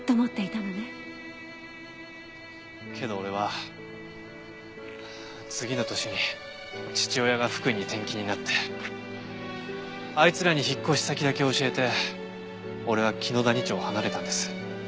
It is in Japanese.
けど俺は次の年に父親が福井に転勤になってあいつらに引っ越し先だけ教えて俺は紀野谷町を離れたんです。